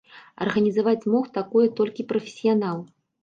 Арганізаваць мог такое толькі прафесіянал.